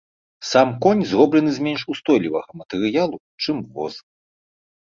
Сам конь зроблены з менш устойлівага матэрыялу, чым воз.